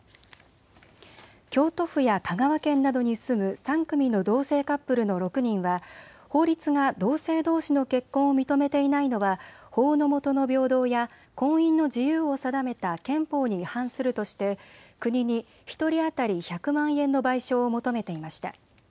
京都府や香川県などに住む３組の同性カップルの６人は法律が同性どうしの結婚を認めていないのは法の下の平等や婚姻の自由を定めた憲法に違反するとして国に１人当たり１００万円の賠償を求めていました。